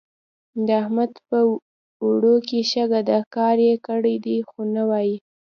د احمد په اوړو کې شګه ده؛ کار يې کړی دی خو نه وايي.